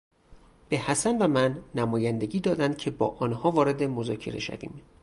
به حسن و من نمایندگی دادند که با آنها وارد مذاکره شویم.